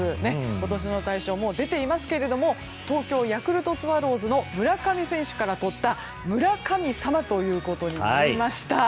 今年の大賞、もう出ていますが東京ヤクルトスワローズの村上選手からとった村神様ということになりました。